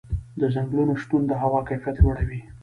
د ځنګلونو شتون د هوا کیفیت لوړوي.